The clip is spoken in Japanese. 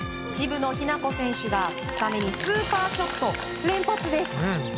渋野日向子選手が２日目にスーパーショット連発です。